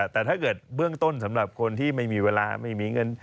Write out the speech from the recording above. แต่ถ้าเกิดเบื้องต้นสำหรับคนที่ไม่มีเวลาไม่มีเงิน